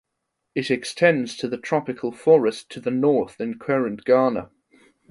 It extends to the tropical forest to the north in current Ghana.